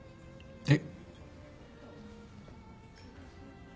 えっ？